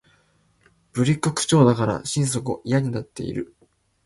ぶりっ子口調だから心底嫌になっている